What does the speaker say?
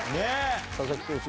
佐々木投手